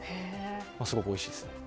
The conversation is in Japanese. すごくおいしいです。